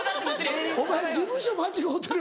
お前事務所間違うてる。